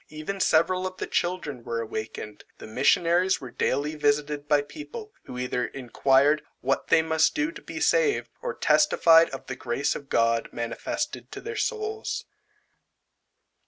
Even several of the children were awakened. The missionaries were daily visited by people, who either inquired "what they must do to be saved," or testified of the grace of God manifested to their souls.